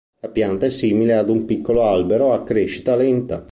La pianta è simile ad un piccolo albero, a crescita lenta.